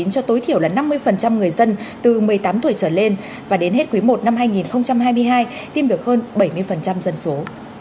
cho tối thiểu là năm mươi người dân từ một mươi tám tuổi trở lên và đến hết quý i năm hai nghìn hai mươi hai tiêm được hơn bảy mươi dân số